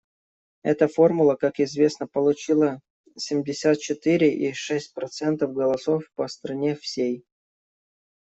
Эта формула, как известно, получила семьдесят четыре и шесть процентов голосов по стране всей.